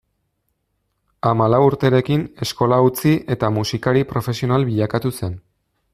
Hamalau urterekin eskola utzi eta musikari profesional bilakatu zen.